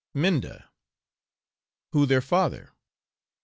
'Minda.' 'Who their father?'